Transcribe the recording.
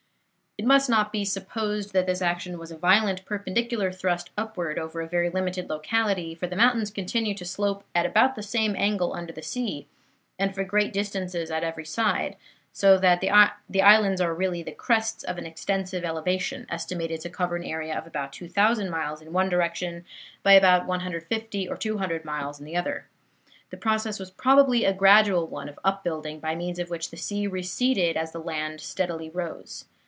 It must not be supposed that this action was a violent perpendicular thrust upward over a very limited locality, for the mountains continue to slope at about the same angle under the sea and for great distances on every side, so that the islands are really the crests of an extensive elevation, estimated to cover an area of about 2000 miles in one direction by 150 or 200 miles in the other. The process was probably a gradual one of up building, by means of which the sea receded as the land steadily rose.